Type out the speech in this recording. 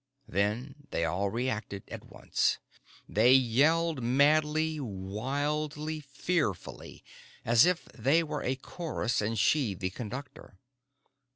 Then they all reacted at once. They yelled madly, wildly, fearfully, as if they were a chorus and she the conductor.